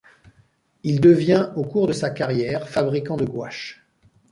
Il devient au cours de sa carrière fabriquant de gouache.